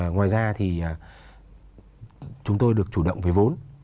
ngoài ra thì chúng tôi được chủ động về vốn